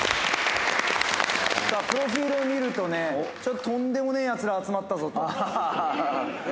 プロフィールを見るとね、とんでもねえやつらが集まったぞというね。